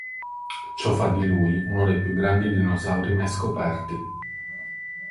Ciò fa di lui uno dei più grandi dinosauri mai scoperti.